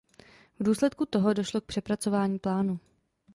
V důsledku toho došlo k přepracování plánu.